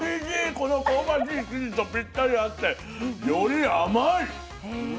この香ばしい生地とぴったり合ってより甘い。